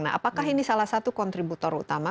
nah apakah ini salah satu kontributor utama